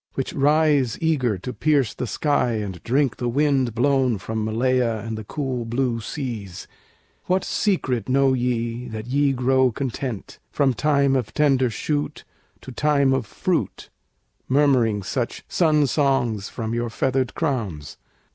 which rise Eager to pierce the sky and drink the wind Blown from Malaya and the cool blue seas; What secret know ye that ye grow content, From time of tender shoot to time of fruit, Murmuring such sun songs from your feathered crowns?